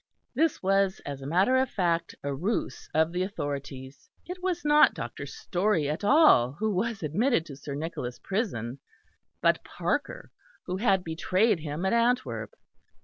This was as a matter of fact a ruse of the authorities. It was not Dr. Storey at all who was admitted to Sir Nicholas' prison, but Parker, who had betrayed him at Antwerp.